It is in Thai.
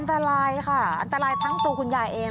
อันตรายค่ะอันตรายทั้งตัวคุณยายเอง